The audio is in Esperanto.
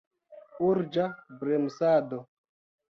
Urĝa bremsado!